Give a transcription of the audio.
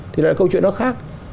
thì là câu chuyện đó khác